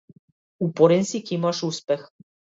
Упорен си ќе имаш успех.